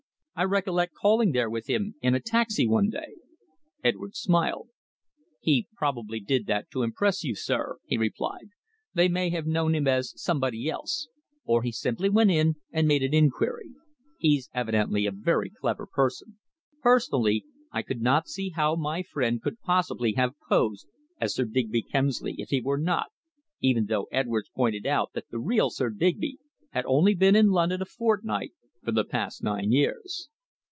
I recollect calling there with him in a taxi one day." Edwards smiled. "He probably did that to impress you, sir," he replied. "They may have known him as somebody else. Or he simply went in and made an inquiry. He's evidently a very clever person." Personally, I could not see how my friend could possibly have posed as Sir Digby Kemsley if he were not, even though Edwards pointed out that the real Sir Digby had only been in London a fortnight for the past nine years.